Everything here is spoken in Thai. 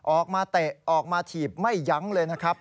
เตะออกมาถีบไม่ยั้งเลยนะครับ